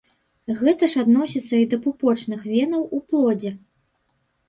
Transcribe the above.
Гэта ж адносіцца і да пупочных венаў у плодзе.